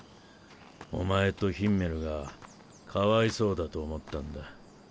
お前とヒンメルがかわいそうだと思ったんだ。